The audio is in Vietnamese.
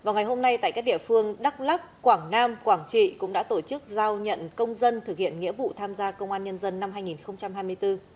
vào ngày hôm nay tại các địa phương đắk lắc quảng nam quảng trị cũng đã tổ chức giao nhận công dân thực hiện nghĩa vụ tham gia công an nhân dân năm hai nghìn hai mươi bốn